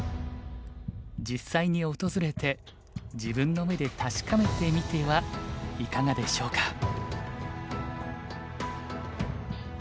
実際に訪れて自分の目で確かめてみてはいかがでしょうか？